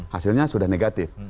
hasilnya sudah negatif